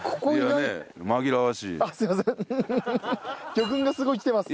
魚群がすごい来てます！